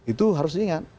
itu harus diingat